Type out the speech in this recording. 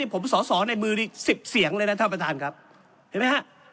ผมสอสอในมือนี้๑๐เสียงเลยนะท่านประธานครับเห็นไหมฮะ